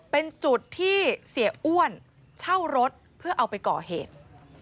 เป็นจุดที่เสียอ้วนเช่ารถเพื่อเอาไปก่อเหตุ